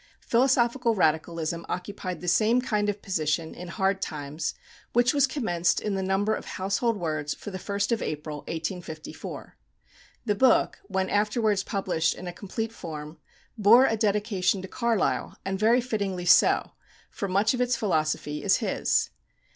Philosophical radicalism occupied the same kind of position in "Hard Times," which was commenced in the number of Household Words for the 1st of April, 1854. The book, when afterwards published in a complete form, bore a dedication to Carlyle; and very fittingly so, for much of its philosophy is his.